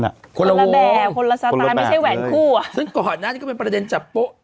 คนละแบบคนละสไตล์คนละแบบเลยไม่ใช่แหวนคู่อ่ะซึ่งก่อนนั้นก็เป็นประเด็นจับโป๊ะ